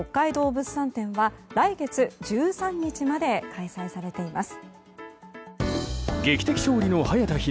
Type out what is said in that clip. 物産展は来月１３日まで開催されています。